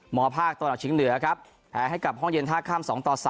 ภาคตะวันออกชิงเหนือครับแพ้ให้กับห้องเย็นท่าข้าม๒ต่อ๓